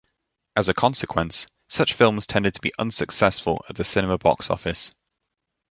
As a consequence, such films tended to be unsuccessful at the cinema box-office.